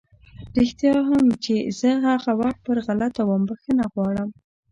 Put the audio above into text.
رښتيا هم چې زه هغه وخت پر غلطه وم، بښنه غواړم!